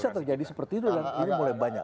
bisa terjadi seperti itu dan ini mulai banyak